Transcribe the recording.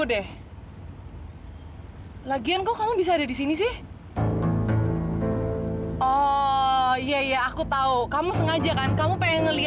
untuk nisahin aku sama jody